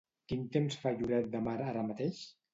Quin temps fa a Lloret de Mar ara mateix?